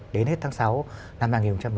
đến hết tháng sáu năm hai nghìn một mươi chín